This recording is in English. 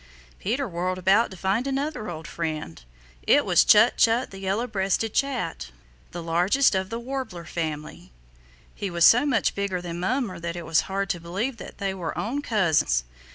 Peter whirled about to find another old friend. It was Chut Chut the Yellow breasted Chat, the largest of the Warbler family. He was so much bigger than Mummer that it was hard to believe that they were own cousins.